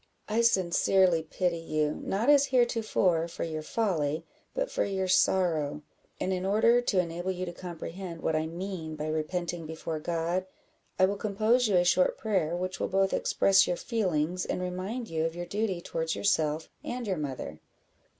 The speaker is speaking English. I sincerely pity you, not as heretofore, for your folly, but for your sorrow; and in order to enable you to comprehend what I mean by repenting before God, I will compose you a short prayer, which will both express your feelings, and remind you of your duty towards yourself and your mother."